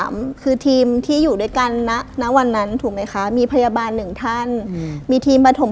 มีมาสามคนมีมาสามคนขึ้นมาจริง